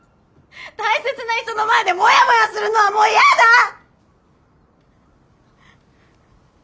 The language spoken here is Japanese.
大切な人の前でモヤモヤするのはもうヤダ！